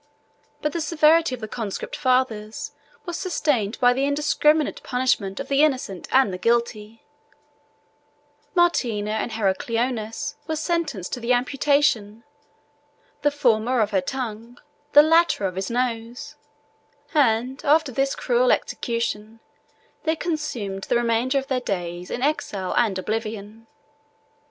But the severity of the conscript fathers was stained by the indiscriminate punishment of the innocent and the guilty: Martina and Heracleonas were sentenced to the amputation, the former of her tongue, the latter of his nose; and after this cruel execution, they consumed the remainder of their days in exile and oblivion.